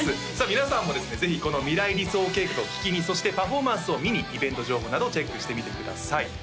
皆さんもですねぜひこの「未来理想計画」を聴きにそしてパフォーマンスを見にイベント情報などをチェックしてみてください